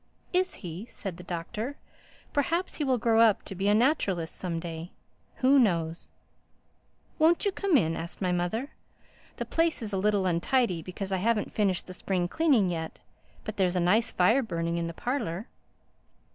"Is he?" said the Doctor. "Perhaps he will grow up to be a naturalist some day. Who knows?" "Won't you come in?" asked my mother. "The place is a little untidy because I haven't finished the spring cleaning yet. But there's a nice fire burning in the parlor."